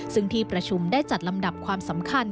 ซึ่งที่ประชุมได้จัดลำดับความสำคัญ